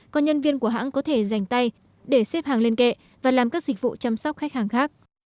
còn nhân viên của hãng có thể dành tay để xếp hàng lên kệ và làm các dịch vụ chăm sóc khách hàng khác